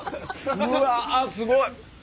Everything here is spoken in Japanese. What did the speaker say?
うわすごい！